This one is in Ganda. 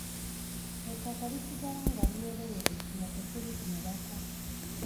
Ettaka lisigala nga lyereere nga tekuli kimerako.